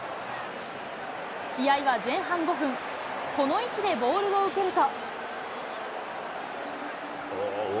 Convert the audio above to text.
試合は前半５分、この位置でボールを受けると。